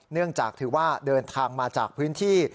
เนื่องจากถือว่าเดินทางมาจากพื้นที่